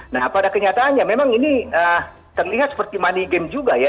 nah pada kenyataannya memang ini terlihat seperti money game juga ya